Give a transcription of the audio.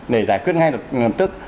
để giải quyết ngay lập tức